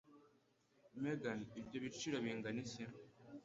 Megan, ibyo biciro bingana iki?